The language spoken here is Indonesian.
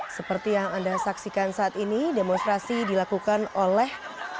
seperti yang anda saksikan saat ini demonstrasi dilakukan oleh